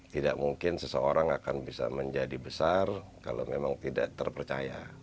tidak mungkin seseorang akan bisa menjadi besar kalau memang tidak terpercaya